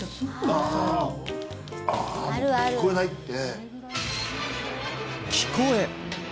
あああもう聞こえないって！